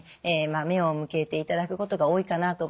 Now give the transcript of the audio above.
目を向けていただくことが多いかなと思います。